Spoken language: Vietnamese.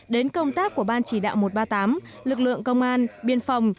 đến công tác của ban chỉ đạo một trăm ba mươi tám lực lượng công an biên phòng